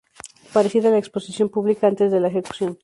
Parecida era la exposición pública antes de la ejecución.